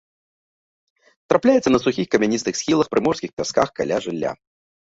Трапляецца на сухіх камяністых схілах, прыморскіх пясках, каля жылля.